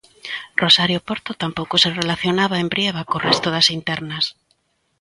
Rosario Porto tampouco se relacionaba en Brieva co resto de internas.